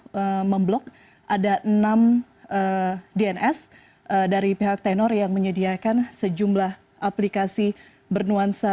kita memblok ada enam dns dari pihak tenor yang menyediakan sejumlah aplikasi bernuansa